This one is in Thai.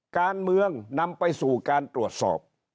การเมืองนำไปสู่การตรวจสอบ